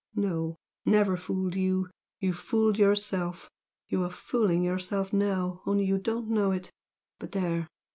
No never fooled you, you fooled yourself you are fooling yourself now, only you don't know it. But there!